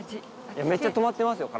めっちゃ止まってますよ